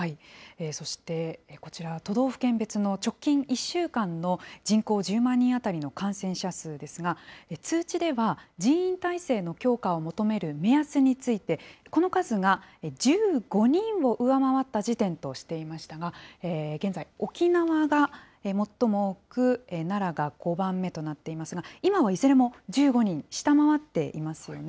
そしてこちら、都道府県別の直近１週間の人口１０万人当たりの感染者数ですが、通知では人員体制の強化を求める目安について、この数が１５人を上回った時点としていましたが、現在、沖縄が最も多く、奈良が５番目となっていますが、今はいずれも１５人、下回っていますよね。